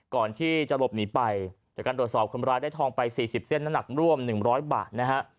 ก่อนที่จะหลบหนีไปเดี๋ยวกันโดดสอบคนร้ายได้ทองไปสี่สิบเส้นน้ำหนักร่วมหนึ่งร้อยบาทนะฮะ